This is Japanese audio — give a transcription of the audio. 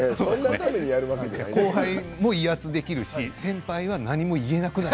後輩も威圧できるし先輩が何も言えなくなる。